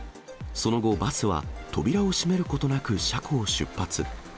その後、バスは扉を閉めることなく車庫を出発。